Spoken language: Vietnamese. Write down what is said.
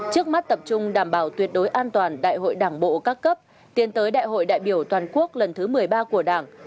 trước mắt tập trung đảm bảo tuyệt đối an toàn đại hội đảng bộ các cấp tiến tới đại hội đại biểu toàn quốc lần thứ một mươi ba của đảng